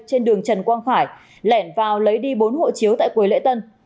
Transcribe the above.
trên đường trần quang phải lẻn vào lấy đi bốn hộ chiếu tại cổi lễ tân